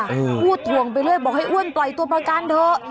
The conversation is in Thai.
พูดถ่วงไปเรื่อยบอกให้อ้วนปล่อยตัวประกันเถอะ